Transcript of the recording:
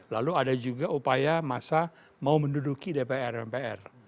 lalu ada juga upaya masa mau menduduki dpr mpr